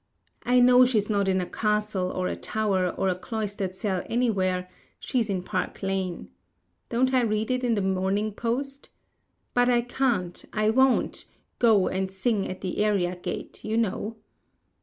I know she's not in a castle or a tower or a cloistered cell anywhere; she is in Park Lane. Don't I read it in the "Morning Post?" But I can't, I won't, go and sing at the area gate, you know.